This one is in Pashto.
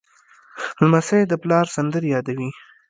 لمسی د پلار سندرې یادوي.